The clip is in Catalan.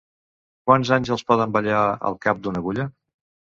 Quants àngels poden ballar al cap d'una agulla?